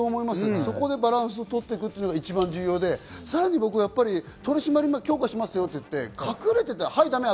そこでバランスを取っていくのが一番重要で、さらに取り締り強化しますよって言って隠れてたらだめ。